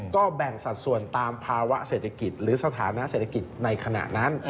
ก็แบ่งสัดส่วนตามภาวะเศรษฐกิจหรือสถานะเศรษฐกิจในขณะนั้น